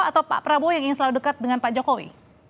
atau pak prabowo yang ingin selalu dekat dengan pak jokowi